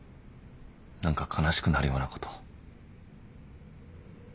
何か悲しくなるようなこと。